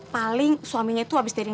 selamat tinggal kemiskinan